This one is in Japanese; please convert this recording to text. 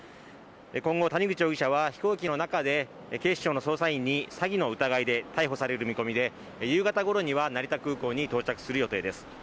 今後、谷口容疑者は飛行機の中で警視庁の捜査員に詐欺の疑いで逮捕される見込みで、夕方ごろには成田空港に到着する見込みです。